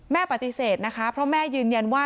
แม่ปฏิเสธนะคะเพราะแม่ยืนยันว่า